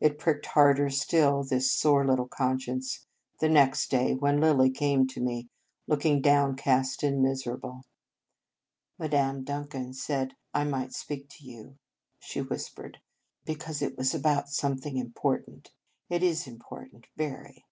It pricked harder still this sore little conscience the next day, when Lilly came to me, looking downcast and miserable. "Madame Duncan said I might speak to you," she whis pered, "because it was about some thing important. It is important, very.